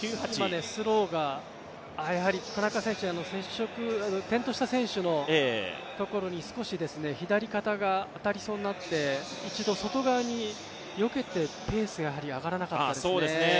スローがやはり田中選手、転倒した選手のところに少し左肩が当たりそうになって、一度外側によけてペースが上がらなかったですね